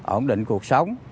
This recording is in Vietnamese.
ổn định cuộc sống